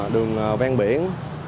đường ven biển